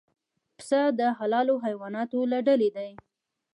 پسه د حلالو حیواناتو له ډلې دی.